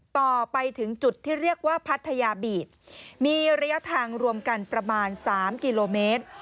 ต่อไปถึงจุดที่เรียกว่าพัทยาบีดมีระยะทางรวมกันประมาณ๓กิโลเมตร